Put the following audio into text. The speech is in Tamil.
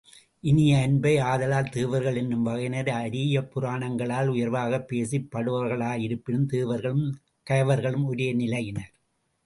இனிய அன்ப, ஆதலால் தேவர்கள் என்னும் வகையினர் ஆரியப்புராணங்களால் உயர்வாகப் பேசப் படுவர்களாயிருப்பினும் தேவர்களும், கயவர்களும் ஒரே நிலையினர்.